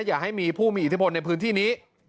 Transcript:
อย่าให้มีผู้มีอิทธิพลในพื้นที่นี้